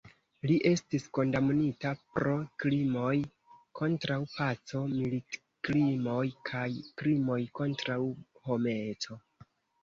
Li estis kondamnita pro krimoj kontraŭ paco, militkrimoj kaj krimoj kontraŭ homeco.